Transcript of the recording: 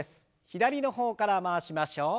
左の方から回しましょう。